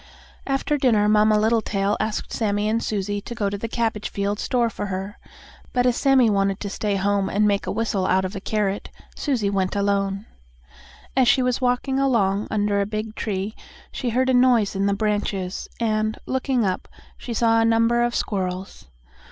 After dinner Mamma Littletail asked Sammie and Susie to go to the cabbage field store for her, but, as Sammie wanted to stay home and make a whistle out of a carrot, Susie went alone. As she was walking along under a big tree, she heard a noise in the branches, and, looking up, she saw a number of squirrels.